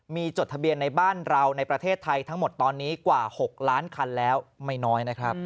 มีจดทะเบียนในบ้านเราในประเทศไทยทั้งหมดตอนนี้กว่า๖ล้านคันแล้วไม่น้อยนะครับ